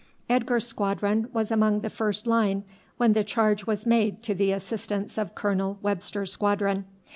Edgar's squadron was among the first line when the charge was made to the assistance of Colonel Webster's squadron.